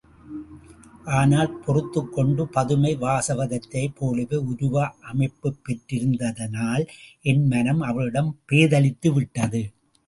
ஆனால் பொறுத்துக் கொண்டு, பதுமை, வாசவதத்தையைப் போலவே உருவ அமைப்புப் பெற்றிருந்ததனால் என் மனம் அவளிடம் பேதலித்துவிட்டது.